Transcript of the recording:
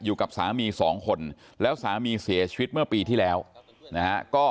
อยู่กับสามีสองคนแล้วสามีเสียชีวิตเมื่อปีที่แล้วนะฮะก็